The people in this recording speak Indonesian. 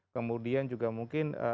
kemudian juga mungkin